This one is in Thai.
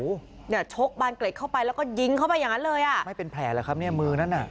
โอ้โหเนี่ยชกบานเกร็ดเข้าไปแล้วก็ยิงเข้าไปอย่างนั้นเลยอ่ะไม่เป็นแผลแล้วครับเนี่ยมือนั้นน่ะ